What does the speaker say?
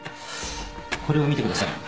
これを見てください。